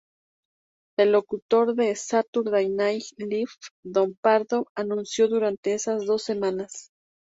El locutor de "Saturday Night Live", Don Pardo, anunció durante esas dos semanas.